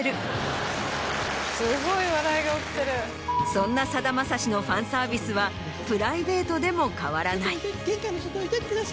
そんなさだまさしのファンサービスはプライベートでも変わらない。